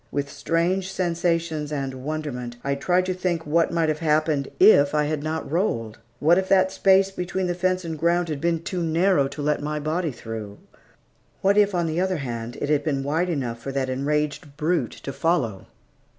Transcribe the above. With strange sensations and wonderment, I tried to think what might have happened, if I had not rolled. What if that space between fence and ground had been too narrow to let my body through; what if, on the other hand, it had been wide enough for that enraged brute to follow?